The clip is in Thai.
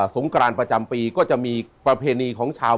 งกรานประจำปีก็จะมีประเพณีของชาว